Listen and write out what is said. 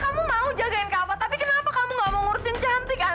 kamu mau jagain kamu tapi kenapa kamu gak mau ngurusin cantik kan